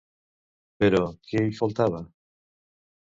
Però, què hi faltava?